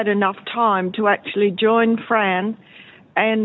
dan mungkin empat atau lima orang lain